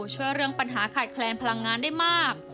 ช่วยเรื่องปัญหาขาดแคลนพลังงานได้มาก